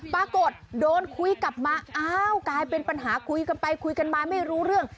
ปรากฏโดนคุยกลับมาอ้าวกลายเป็นปัญหาคุยกันไปคุยกันมาไม่รู้เรื่อง